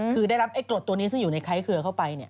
คือได้รับไอ้กรดตัวนี้ซึ่งอยู่ในไร้เครือเข้าไป